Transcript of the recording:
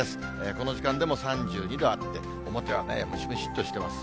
この時間でも３２度あって、表はムシムシっとしてます。